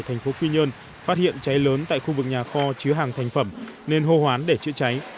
thành phố quy nhơn phát hiện cháy lớn tại khu vực nhà kho chứa hàng thành phẩm nên hô hoán để chữa cháy